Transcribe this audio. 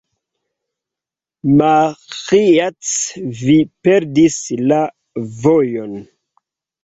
Maĥiac, vi perdis la vojon.